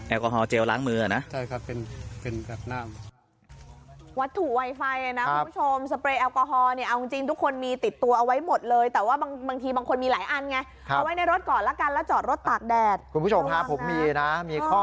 แอลกอฮอล์เจลล้างมือเหรอนะใช่ครับเป็นแบบน้ำ